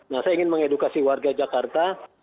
nah saya ingin mengedukasi warga jakarta